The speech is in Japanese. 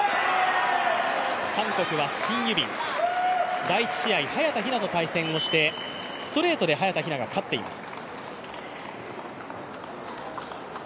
韓国はシン・ユビン、第１試合、早田ひなと対戦してストレートで早田ひなが勝っています。